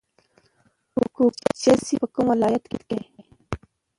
کوکچه سیند په کوم ولایت کې دی؟